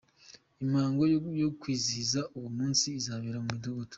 Imihango yo kwizihiza uwo munsi izabera mu Midugudu.